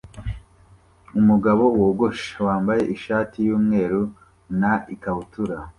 umugabo wogosha wambaye ishati yumweru na ikabutura